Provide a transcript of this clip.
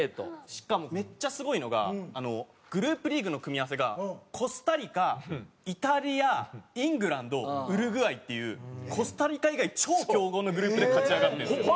しかもめっちゃすごいのがグループリーグの組み合わせがコスタリカイタリアイングランドウルグアイっていうコスタリカ以外超強豪のグループで勝ち上がってるんですよ。